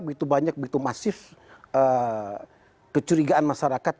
begitu banyak begitu masif kecurigaan masyarakat